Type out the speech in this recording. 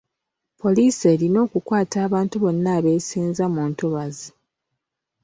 Poliisi erina okukwata abantu bonna abeesenza mu ntobazi.